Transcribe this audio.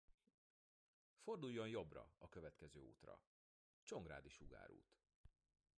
Forduljon jobbra, a következő útra: Csongrádi sugárút.